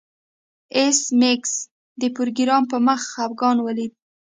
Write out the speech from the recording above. ایس میکس د پروګرامر په مخ خفګان ولید